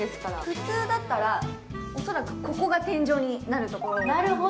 普通だったら、恐らくここが天井になるところなんですよ。